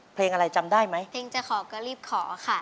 เพลงอะไรจำได้ไหมเพลงจะขอก็รีบขอค่ะ